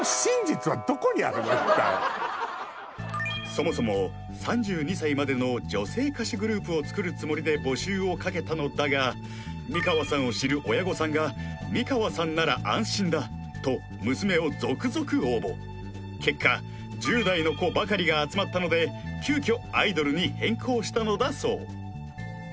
そもそも３２歳までの女性歌手グループを作るつもりで募集をかけたのだが美川さんを知る親御さんが美川さんなら安心だと娘を続々応募結果１０代の子ばかりが集まったので急きょアイドルに変更したのだそう